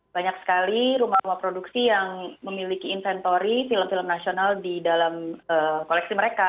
banyak sekali rumah rumah produksi yang memiliki inventory film film nasional di dalam koleksi mereka